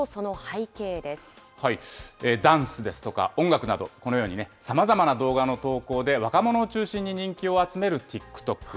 ダンスですとか音楽など、このようにね、さまざまな動画の投稿で若者を中心に人気を集めるＴｉｋＴｏｋ。